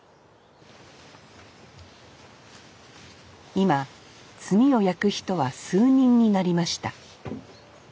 今炭を焼く人は数人になりました